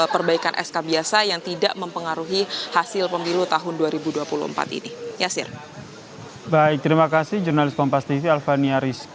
perbaikan sk biasa yang tidak mempengaruhi hasil pemilu tahun dua ribu dua puluh empat ini